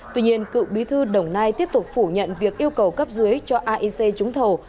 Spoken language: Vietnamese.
tuy nhiên cựu bí thư đồng nai tiếp tục phủ nhận việc yêu cầu cấp dưới cho aic trúng thầu